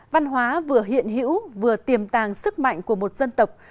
văn hóa vừa hiện hữu vừa tiềm tàng sức mạnh của một dân tộc